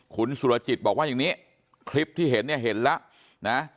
คุณสุรจิตบอกว่าอย่างนี้คลิปที่เห็นแล้วนะ